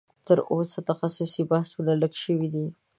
تر اوسه تخصصي بحثونه لږ شوي دي